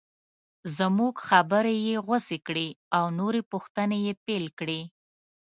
زموږ خبرې یې غوڅې کړې او نورې پوښتنې یې پیل کړې.